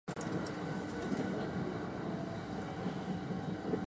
色褪せた星と